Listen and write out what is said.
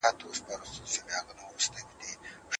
سیاستوال به د سیاست پر علمي والي شک وکړي.